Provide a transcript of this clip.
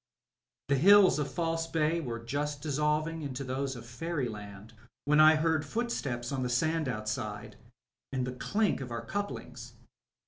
The hills of False Bay were just dissolving into those of fairyland when I heard footsteps on the sand outside and the clink of our couplings.